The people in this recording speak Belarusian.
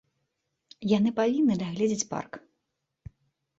Яны павінны дагледзець парк!